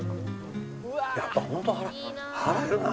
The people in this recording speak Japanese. やっぱホント腹減るな。